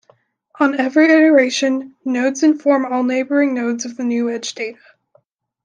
On every iteration, nodes inform all neighboring nodes of the new edge data.